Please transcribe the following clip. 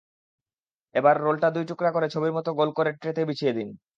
এবার রোলটা দুই টুকরা করে ছবির মতো গোল করে ট্রেতে বিছিয়ে দিন।